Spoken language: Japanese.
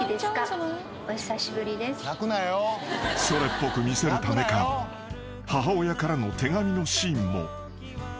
［それっぽく見せるためか母親からの手紙のシーンも］